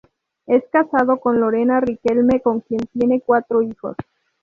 Es casado con Lorena Riquelme, con quien tiene cuatro hijos.